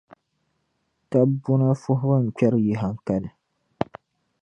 Taba buna fuhibu n-kpɛri yi haŋkali.